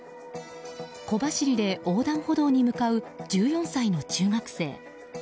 小走りで横断歩道に向かう１４歳の中学生。